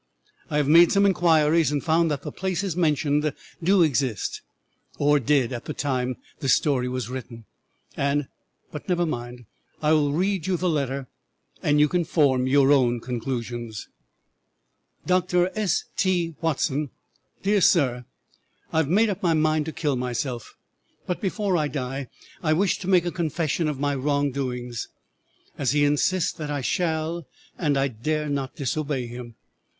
I have made some inquiries and find that the places mentioned do exist, or did at the time this story was written, and but never mind; I will read you the letter and you can form your own conclusions: "'DR. S. T. WATSON: "'DEAR SIR: I have made up my mind to kill myself, but before I die I wish to make a confession of my wrong doings, as he insists that I shall and I dare not disobey him.